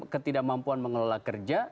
ketidakmampuan mengelola kerja